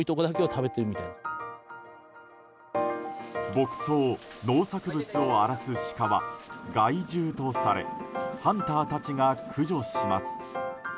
牧草、農作物を荒らすシカは害獣とされハンターたちが駆除します。